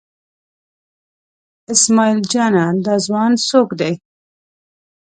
اسمعیل جانه دا ځوان څوک دی؟